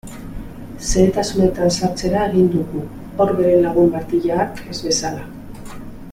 Xehetasunetan sartzera egin dugu, Orberen lagun Martija hark ez bezala.